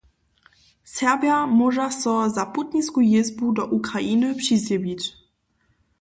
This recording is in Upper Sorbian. Serbja móža so za putnisku jězbu do Ukrainy přizjewić.